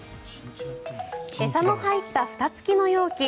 餌の入ったふた付きの容器。